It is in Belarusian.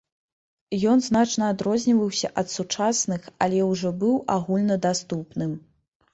Ён значна адрозніваўся ад сучасных, але ўжо быў агульнадаступным.